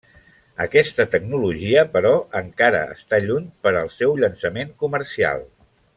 Aquesta tecnologia, però, encara està lluny per al seu llançament comercial.